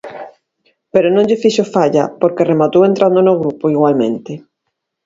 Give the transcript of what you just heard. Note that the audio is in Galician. Pero non lle fixo falla, porque rematou entrando no grupo igualmente.